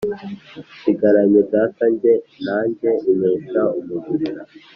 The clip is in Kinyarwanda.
usigiranye data Jye nanjye mpesha umugisha